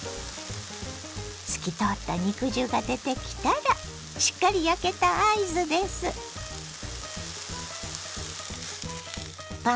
透き通った肉汁が出てきたらしっかり焼けた合図です。